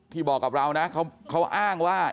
บอกกับเรานะเขาอ้างว่า